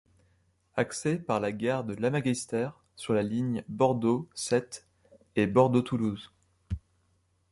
Accès par la gare de Lamagistère sur la ligne Bordeaux - Sète et Bordeaux-Toulouse.